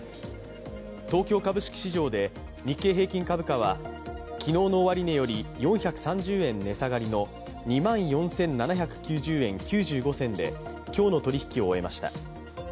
東京株式市場で、日経平均株価は昨日の終値より４３０円値下がりの２万４７９０円９５銭で今日の取引を終えました。